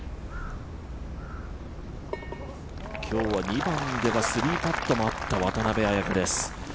今日は２番では３パットもあった渡邉彩香です。